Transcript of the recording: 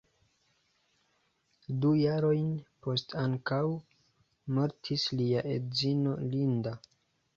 Du jarojn poste ankaŭ mortis lia edzino Linda.